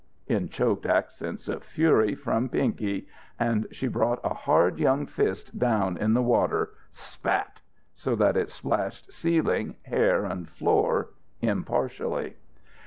in choked accents of fury from Pinky; and she brought a hard young fist down in the water spat! so that it splashed ceiling, hair and floor impartially.